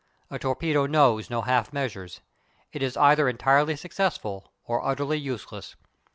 A torpedo knows no half measures. It is either entirely successful or utterly useless.